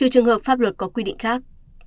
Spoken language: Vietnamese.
trừ trường hợp pháp luật có quy định khác